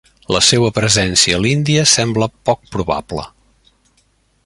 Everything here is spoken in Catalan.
La seua presència a l'Índia sembla poc probable.